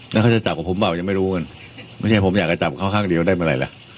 แล้วเขาจะจับกับผมเปล่ายังไม่รู้กันไม่ใช่ผมอยากจะจับเขาข้างเดียวได้เมื่อไหร่ล่ะ